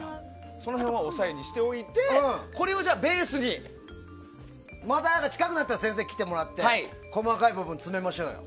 その辺は押さえにしておいてまた近くなったら先生に来てもらって細かい部分を詰めましょうよ。